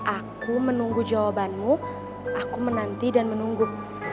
aku menunggu jawabanmu aku menanti dan menunggu